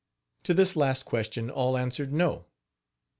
To this last question all answered no.